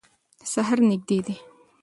سهار نږدې دی.